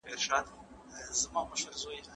ايا امن له ګډوډۍ څخه ښه دی؟